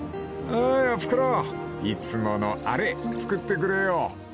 いつものあれ作ってくれよ］